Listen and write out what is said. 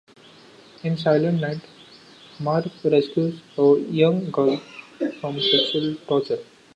In "Silent Night", Marv rescues a young girl from sexual torture.